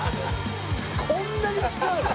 こんなに違うの？